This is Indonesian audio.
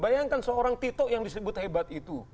bayangkan seorang tito yang disebut hebat itu